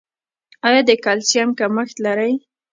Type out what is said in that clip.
ایا د کلسیم کمښت لرئ؟